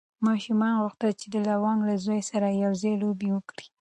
ماشوم غوښتل چې د لونګ له زوی سره یو ځای لوبه وکړي.